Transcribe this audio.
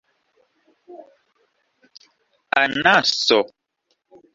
anaso